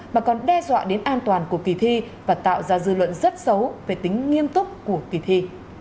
mà còn đe dọa đến an toàn của kỳ thi và tạo ra dư luận rất xấu về tính nghiêm túc của kỳ thi